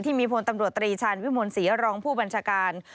ที่มีพวงตำรวจตรีชันวิมวลศรีรองผู้ปัญชาการ